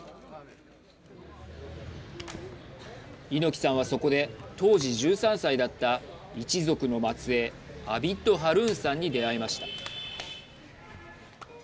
猪木さんはそこで当時１３歳だった一族の末えいアビッド・ハルーンさんに出会いました。